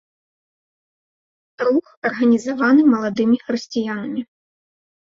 Рух арганізаваны маладымі хрысціянамі.